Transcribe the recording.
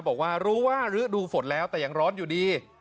บอกว่ารู้ว่าฤดูฝนแล้วแต่ยังร้อนอยู่ดี